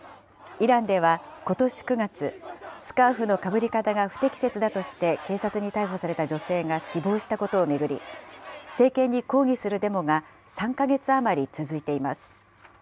イランではことし９月、スカーフのかぶり方が不適切だとして警察に逮捕された女性が死亡したことを巡り、政権に抗議するデモが３か月余り続いています。